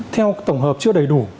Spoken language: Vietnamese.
theo tổng hợp chưa đầy đủ